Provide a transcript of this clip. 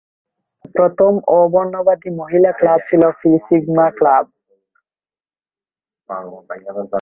প্রথম অ-বর্ণবাদী মহিলা ক্লাব ছিল ফি সিগমা ক্লাব।